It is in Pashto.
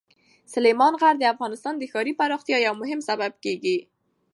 سلیمان غر د افغانستان د ښاري پراختیا یو مهم سبب کېږي.